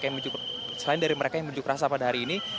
jadi sebetulnya selain dari mereka yang menjuk rasa pada hari ini